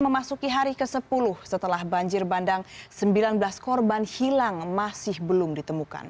memasuki hari ke sepuluh setelah banjir bandang sembilan belas korban hilang masih belum ditemukan